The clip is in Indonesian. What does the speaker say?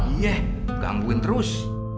iye gangguin terus